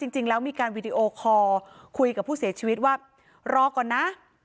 จริงแล้วมีการวีดีโอคอร์คุยกับผู้เสียชีวิตว่ารอก่อนนะ